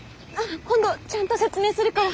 今度ちゃんと説明するから。